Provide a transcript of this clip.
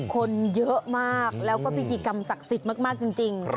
คนเยอะมากแล้วก็พิธีกรรมศักดิ์สิทธิ์มากจริง